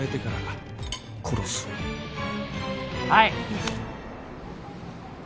はい！